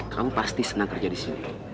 kamu pasti senang kerja di sini